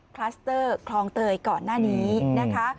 คลัสเตอร์คลองเตยก่อนหน้านี้นะคะ